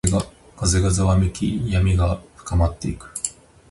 風がざわめき、闇が深まっていく。